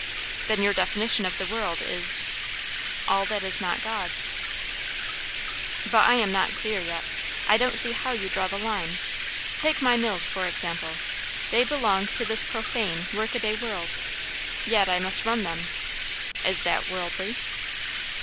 "Then your definition of the 'world' is?" "All that is not God's." "But I am not clear yet. I don't see how you draw the line. Take my mills, for example; they belong to this profane, work a day world; yet I must run them. Is that worldly?"